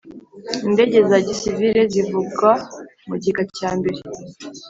Indege za Gisivili zivugwa mu gika cya mbere